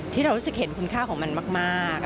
ที่เรารู้สึกเห็นคุณค่าของมันมาก